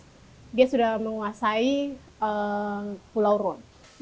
belanda sudah menguasai pulau rune